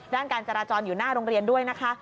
การจราจรอยู่หน้าโรงเรียนด้วยนะคะ